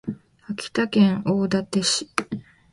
秋田県大館市